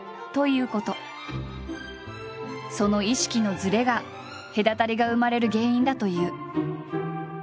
その意識のずれが隔たりが生まれる原因だという。